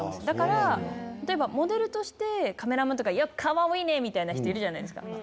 だから、例えばモデルとして、カメラマンとか、よく、かわうぃーねとか言う人いるじゃないですか。